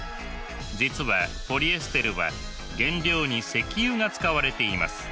実はポリエステルは原料に石油が使われています。